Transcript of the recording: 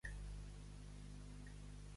Un cas siga!